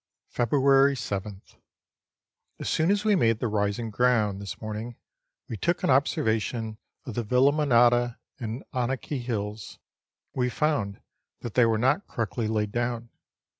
February 7th. As soon as we made the rising ground this morning we took an observation of the Villamanata and Anakie Hills, and we found that they were not correctly laid down.